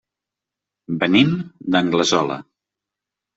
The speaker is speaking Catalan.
Venim d'Anglesola.